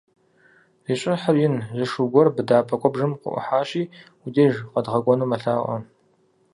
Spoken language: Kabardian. Зи щӀыхьыр ин, зы шу гуэр быдапӀэ куэбжэм къыӀухьащи, уи деж къэдгъэкӀуэну мэлъаӀуэ.